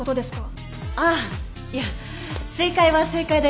ああいや正解は正解だよ。